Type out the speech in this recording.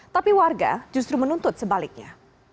tapi warga justru menuntut sebaliknya